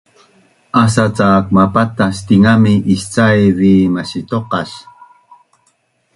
Asa cak mapatas tingami iscaiv vi masitoqas